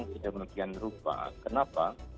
akan sedemikian berubah kenapa